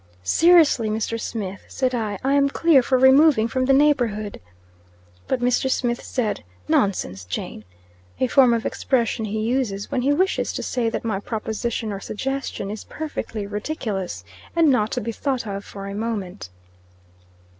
"Seriously, Mr. Smith," said I, "I am clear for removing from the neighborhood." But Mr. Smith said, "Nonsense, Jane!" A form of expression he uses, when he wishes to say that my proposition or suggestion is perfectly ridiculous, and not to be thought of for a moment.